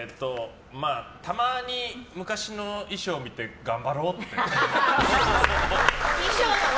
たまに昔の衣装を見て頑張ろうって。